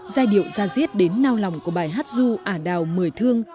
giai điệu ra diết đến nao lòng của bài hát du ả đào mười thương